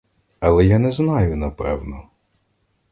Але я не знаю напевно!